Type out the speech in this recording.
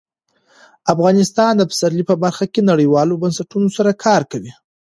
افغانستان د پسرلی په برخه کې نړیوالو بنسټونو سره کار کوي.